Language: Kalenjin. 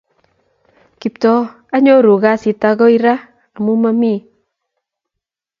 Kiptooa anyoru kasit agoi raa amu mami